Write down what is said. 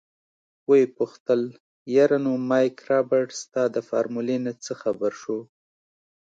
ويې پوښتل يره نو مايک رابرټ ستا د فارمولې نه څه خبر شو.